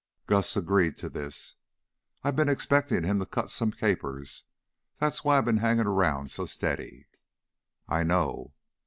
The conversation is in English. Gus agreed to this. "I been expectin' him to cut some capers. That's why I been hangin' around so steady." "I know."